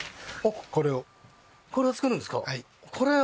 これ、作るんですか？